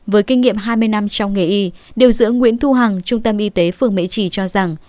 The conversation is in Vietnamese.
với kinh nghiệm hai mươi năm trong nghề y điều dưỡng nguyễn thu hằng trung tâm y tế phường mỹ trì cho rằng